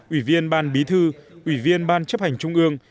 ủy viên ban bí thư ủy viên ban chấp hành trung ương